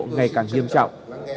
ngày càng nghiêm trọng